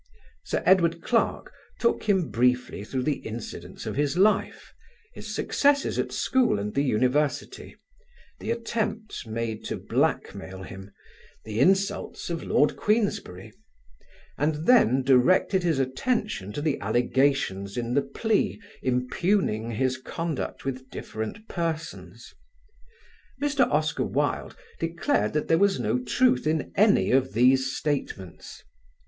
Sir Edward Clarke took him briefly through the incidents of his life: his successes at school and the University; the attempts made to blackmail him, the insults of Lord Queensberry, and then directed his attention to the allegations in the plea impugning his conduct with different persons. Mr. Oscar Wilde declared that there was no truth in any of these statements.